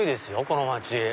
この街。